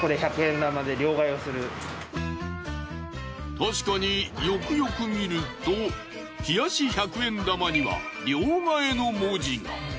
たしかによくよく見ると冷やし百円玉には両替の文字が。